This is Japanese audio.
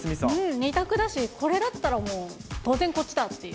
２択だし、これだったらもう、当然こっちだっていう。